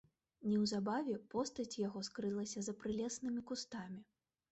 Неўзабаве постаць яго скрылася за прылеснымі кустамі.